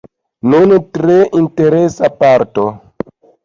Nun tre interesa parto.